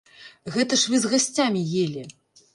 Гэта ж вы з гасцямі елі.